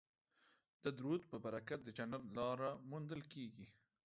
د درود په برکت د جنت لاره موندل کیږي